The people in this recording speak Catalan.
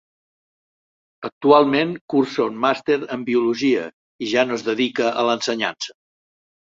Actualment cursa un màster en biologia i ja no es dedica a l'ensenyança.